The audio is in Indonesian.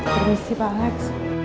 permisi pak alex